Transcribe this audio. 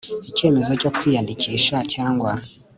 icyemezo cyo kwiyandikisha cyangwa